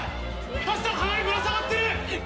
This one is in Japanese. パスタが鼻にぶら下がってる！